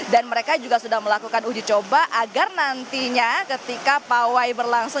dan mereka juga sudah melakukan uji coba agar nantinya ketika pawai berlangsung